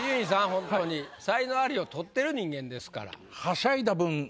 ほんとに才能アリを取ってる人間ですから。